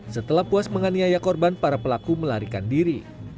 setelah puas menganiaya korban para pelaku melarikan diri